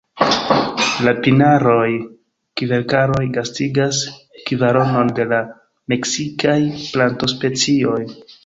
La pinaroj-kverkaroj gastigas kvaronon de la meksikaj plantospecioj.